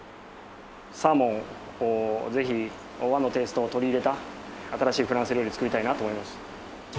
サーモンをぜひ和のテイストを取り入れた新しいフランス料理を作りたいなと思います。